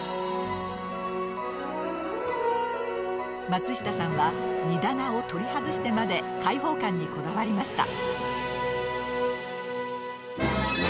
松下さんは荷棚を取り外してまで開放感にこだわりました。